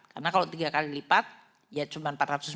karena kalau tiga kali lipat ya cuma empat ratus lima puluh